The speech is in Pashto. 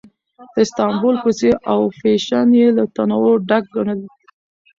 د استانبول کوڅې او فېشن یې له تنوع ډک ګڼل.